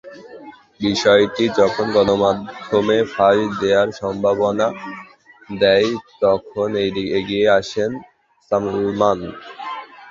বিষয়টি যখন গণমাধ্যমে ফাঁস হওয়ার সম্ভাবনা দেখা দেয়, তখন এগিয়ে আসেন সালমান।